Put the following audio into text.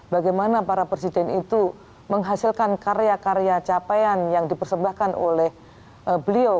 bagaimana para presiden itu menghasilkan karya karya capaian yang dipersembahkan oleh beliau